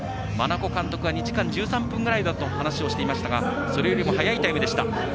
監督は２時間１３分ぐらいだと話をしていましたがそれよりも早いタイムでした。